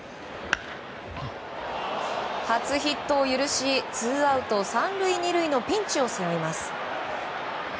初ヒットを許しツーアウト３塁２塁のピンチを背負います。